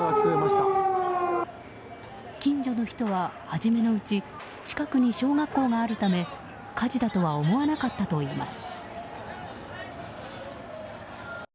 近所の人は初めのうち近くに小学校があるため火事だとは思わなかったといいます。